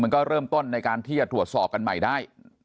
มันก็เริ่มต้นในการที่จะตรวจสอบกันใหม่ได้